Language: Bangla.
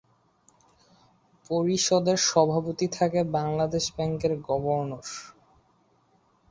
পরিষদের সভাপতি থাকে বাংলাদেশ ব্যাংকের গভর্নর।